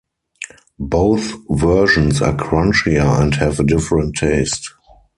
Both versions are crunchier and have a different taste.